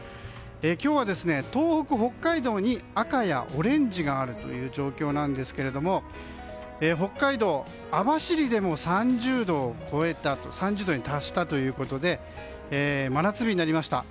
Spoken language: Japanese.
今日は東北、北海道に赤やオレンジがあるという状況なんですが北海道は網走でも３０度に達したということで真夏日になりました。